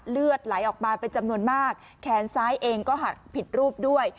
เลือดไหลออกมาเป็นจำนวนมากแขนซ้ายเองก็หักผิดรูปด้วย